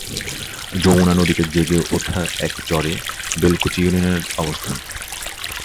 যমুনা নদীতে জেগে ওঠা এক চরে বেলকুচি ইউনিয়নের অবস্থান।